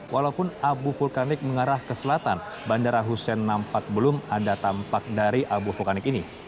walaupun abu vulkanik mengarah ke selatan bandara hussein nampak belum ada tampak dari abu vulkanik ini